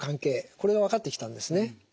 これが分かってきたんですね。